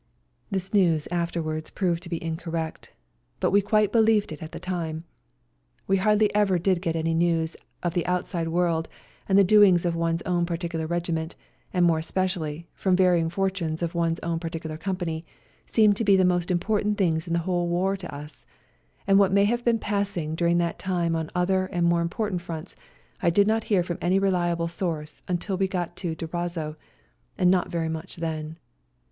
This news afterwards proved to be incorrect, but we quite believed it at the time. We hardly ever did get any news of the out side world and the doings of one's own particular regiment, and more especially the varying fortunes of one's own parti cular company, seemed to be the most important things in the whole war to us, and what may have been passing during that time on other and more important fronts I did not hear from any reliable source until we got to Durazzo, and not very much then.